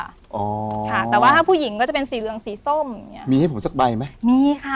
อ๋อค่ะแต่ว่าถ้าผู้หญิงก็จะเป็นสีเหลืองสีส้มอย่างเงี้มีให้ผมสักใบไหมมีค่ะ